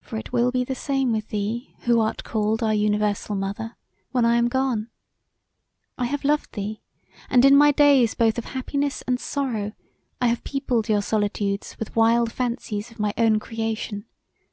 "For it will be the same with thee, who art called our Universal Mother, when I am gone. I have loved thee; and in my days both of happiness and sorrow I have peopled your solitudes with wild fancies of my own creation.